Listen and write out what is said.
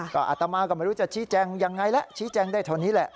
ก็อัตมาก็ไม่รู้จะชี้แจงยังไงแล้วชี้แจงได้เท่านี้แหละ